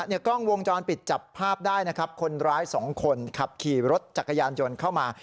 กล้องวงจรปิดจับภาพได้นะครับคนร้ายสองคนขับขี่รถจักรยานยนต์เข้ามา